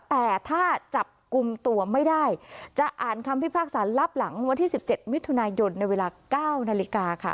แต่ถ้าจับกลุ่มตัวไม่ได้จะอ่านคำพิพากษารับหลังวันที่๑๗มิถุนายนในเวลา๙นาฬิกาค่ะ